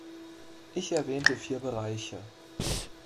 Ich erwähnte vier Bereiche.